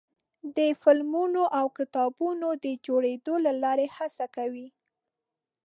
د فلمونو او کتابونو د جوړېدو له لارې هڅه کوي.